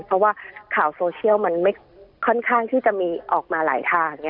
เพราะว่าข่าวโซเชียลมันค่อนข้างที่จะมีออกมาหลายทาง